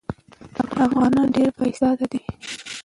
افغانان ډېر با استعداده دي.